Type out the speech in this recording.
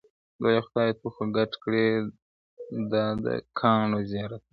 لویه خدایه ته خو ګډ کړې دا د کاڼو زیارتونه-